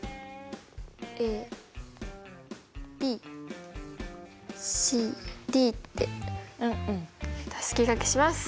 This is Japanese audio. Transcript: ａｂｃｄってたすきがけします。